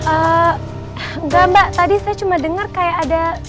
enggak mbak tadi saya cuma dengar kayak ada